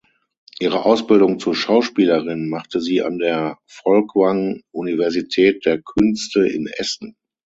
Ihre Ausbildung zur Schauspielerin machte sie an der Folkwang Universität der Künste in Essen.